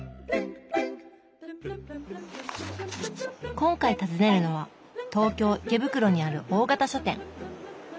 今回訪ねるのは東京・池袋にある大型書店。